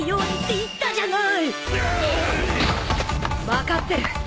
分かってる。